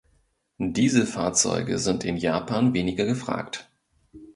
Dieselfahrzeuge sind in Japan weniger gefragt.